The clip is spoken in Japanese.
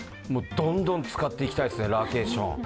どんどん使っていきたいですねラーケーション。